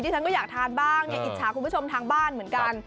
ฉันก็อยากทานบ้างเนี่ยอิจฉาคุณผู้ชมทางบ้านเหมือนกัน